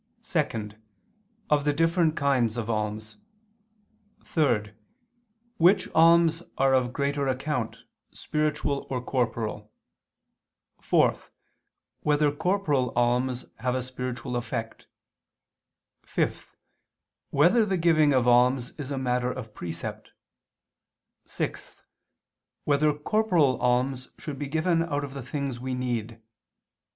(2) Of the different kinds of alms; (3) Which alms are of greater account, spiritual or corporal? (4) Whether corporal alms have a spiritual effect? (5) Whether the giving of alms is a matter of precept? (6) Whether corporal alms should be given out of the things we need?